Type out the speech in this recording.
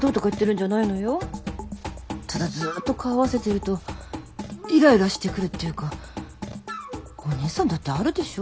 ただずっと顔を合わせてるとイライラしてくるっていうかお姉さんだってあるでしょ。